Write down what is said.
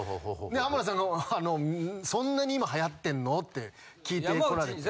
浜田さんが「そんなに今流行ってんの？」って聞いてこられて。